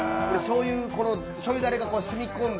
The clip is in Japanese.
しょうゆだれがしみ込んだ